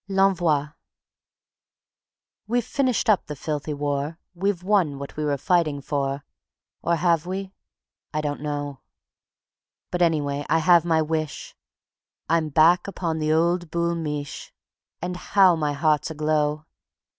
L'Envoi _We've finished up the filthy war; We've won what we were fighting for ... (Or have we? I don't know). But anyway I have my wish: I'm back upon the old Boul' Mich', And how my heart's aglow!